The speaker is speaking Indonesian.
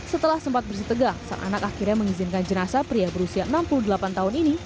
setelah sempat bersetegah seanak akhirnya mengizinkan jenazah pria berusia enam puluh delapan tahun ini